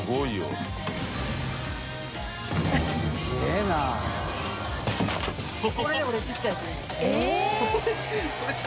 えっ！